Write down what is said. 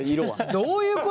どういうこと？